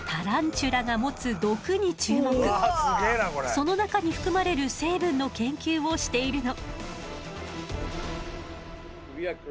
その中に含まれる成分の研究をしているの。